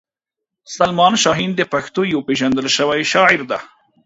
سلما شاهین د پښتنو یوه پېژندل شوې شاعره ده.